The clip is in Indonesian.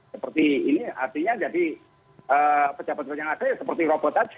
seperti ini artinya jadi pejabat pejabat yang ada seperti robot aja